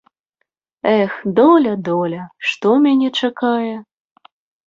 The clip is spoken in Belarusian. Эх, доля, доля, што мяне чакае?